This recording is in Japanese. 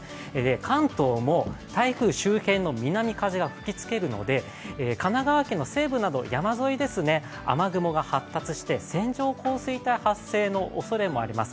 関東も台風周辺の南風が吹き付けるので神奈川県の西部など山沿い、雨雲が発達して線状降水帯発生のおそれもあります。